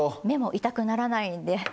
目も痛くならないんで。